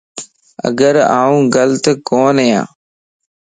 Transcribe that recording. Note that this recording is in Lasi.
اگر آن غلط ڪونئين